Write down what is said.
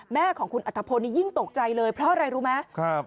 แม่ของคุณอัตภพลนี่ยิ่งตกใจเลยเพราะอะไรรู้ไหม